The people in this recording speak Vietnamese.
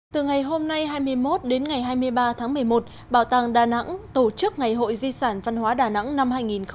từ ngày hôm nay hai mươi một đến ngày hai mươi ba tháng một mươi một bảo tàng đà nẵng tổ chức ngày hội di sản văn hóa đà nẵng năm hai nghìn một mươi chín